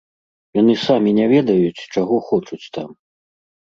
Яны самі не ведаюць, чаго хочуць там.